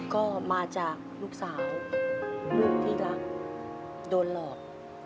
ก็มาจากลูกสาวลูกที่รักโดนหลอก